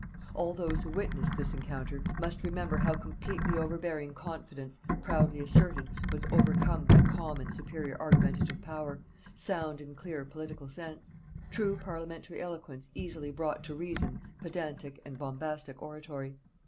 All those who witnessed this encounter, must remember how completely overbearing confidence, proudly asserted, was overcome by calm and superior argumentative power, sound and clear political sense. True parliamentary eloquence easily brought to reason pedantic and bombastic oratory.